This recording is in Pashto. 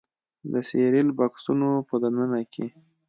د سیریل بکسونو په دننه کې